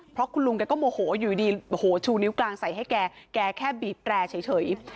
เพราะคุณลุงแกก็โมโหอยู่ดีโอ้โหชูนิ้วกลางใส่ให้แกแค่บีบแตรเฉย